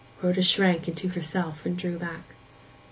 Rhoda shrank into herself, and drew back.